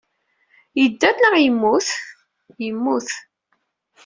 Yedder neɣ yemmut? Yemmut.